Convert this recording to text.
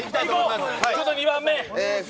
２番目。